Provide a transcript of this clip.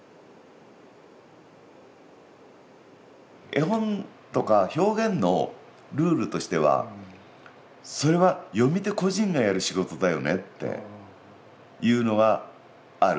絵本とか表現のルールとしてはそれは読み手個人がやる仕事だよねっていうのはある。